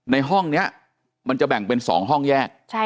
ในห้องนี้มันจะแบ่งเป็น๒ห้องแยก